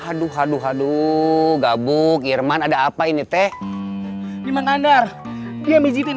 haduh haduh haduh gabung irman ada apa ini teh di mengandar dia menjijikin